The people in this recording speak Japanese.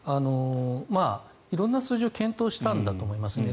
色んな数字を検討したんだと思いますね。